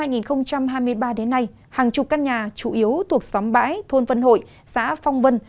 năm hai nghìn hai mươi ba đến nay hàng chục căn nhà chủ yếu thuộc xóm bãi thôn vân hội xã phong vân